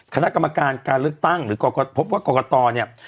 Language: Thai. คณะกรรมการการเลือกตั้งหรือพบว่ากรกตเนี่ย